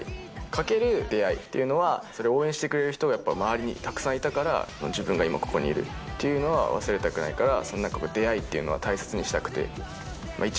かける出会いっていうのは、それ、応援してくれる人がたくさんいたから、自分が今ここにいるっていうのは、忘れたくないから、なんか出会いっていうのは大切にしたくて。